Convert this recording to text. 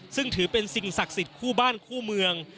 ซึ่งถือเป็นสิ่งศักดิ์สิทธิ์คู่บ้านคู่เมือง